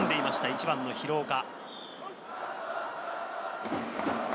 １番の廣岡。